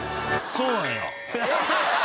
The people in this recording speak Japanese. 「そうなんや？」